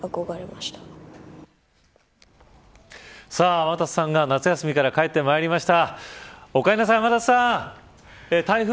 天達さんが夏休みから帰ってまいりました。